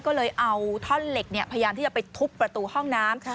ก็เลยเอาท่อนเหล็กพยายามที่จะไปทุบประตูห้องน้ำ